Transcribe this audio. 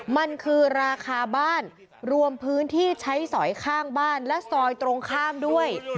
มันคือราคาบ้านรวมพื้นที่ใช้สอยข้างบ้านและซอยตรงข้ามด้วย